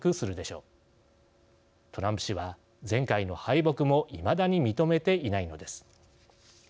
トランプ氏は前回の敗北もいまだに認めていないのです。